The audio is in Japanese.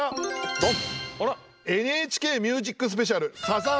ドン！